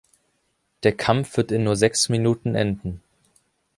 Der Kampf wird in nur sechs Minuten enden.